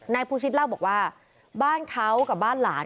ภูชิตเล่าบอกว่าบ้านเขากับบ้านหลาน